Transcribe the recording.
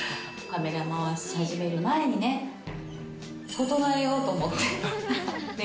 カメラ回し始める前にね、整えようと思って。